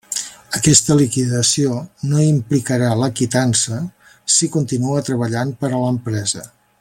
Aquesta liquidació no implicarà la quitança si continua treballant per a l'empresa.